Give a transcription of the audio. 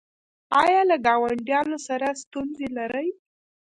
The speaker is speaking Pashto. ایا له ګاونډیانو سره ستونزې لرئ؟